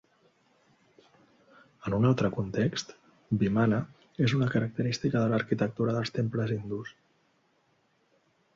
En un altre context, vimana és una característica de l'arquitectura dels temples hindús.